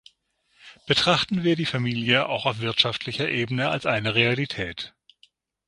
Betrachten wir die Familie auch auf wirtschaftlicher Ebene als eine Realität.